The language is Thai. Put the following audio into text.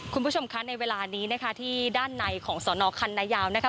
คุณผู้ชมคะในเวลานี้นะคะที่ด้านในของสอนอคันนายาวนะคะ